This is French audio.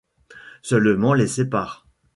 Seulement les séparent.